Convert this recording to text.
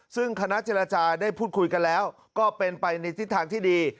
ซึ่งคณะเจรจาได้พูดคุยกันแล้วก็เป็นไปในทิศทางที่ดี